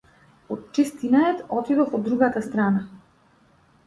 Од чист инатет отидов од другата страна.